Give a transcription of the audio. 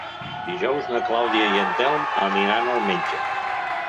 Dijous na Clàudia i en Telm aniran al metge.